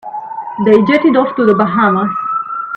They jetted off to the Bahamas.